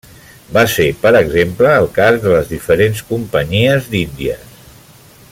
Va ser, per exemple, el cas de les diferents Companyies d'Índies.